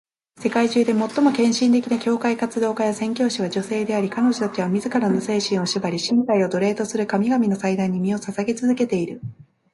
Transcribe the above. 世界中で最も献身的な教会活動家や宣教師は女性であり、彼女たちは自らの精神を縛り、身体を奴隷とする神々の祭壇に身を捧げ続けている。